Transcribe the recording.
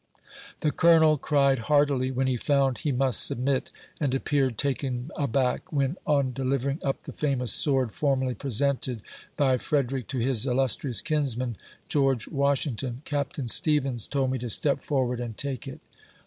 The Colonel cried heartily when he found he must submit, aud appeared taken aback when, on deliver ing up the famous sword formerly presented by Frederic to his illustrious kinsman, George Washington, Capt. Stevens told me to step forward and take it.